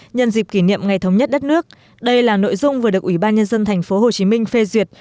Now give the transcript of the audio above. nhân dịp kỷ niệm ngày thống nhất đất nước đây là nội dung vừa được ubnd tp hcm phê duyệt